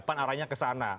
pan arahnya ke sana